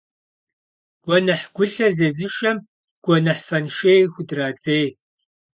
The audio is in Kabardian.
Гуэныхь гулъэ зезышэм гуэныхь фэншей худрадзей.